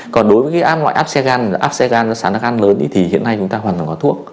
còn đối với cái ổ áp xe gan ổ áp xe gan do sáng đắc an lớn thì hiện nay chúng ta hoàn toàn có thuốc